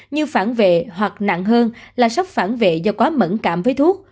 như phản vệ hoặc nặng hơn là sắp phản vệ do quá mẩn cảm với thuốc